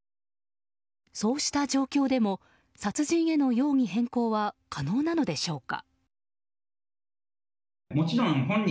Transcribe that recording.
そうした状況でも殺人への容疑変更は可能なのでしょうか。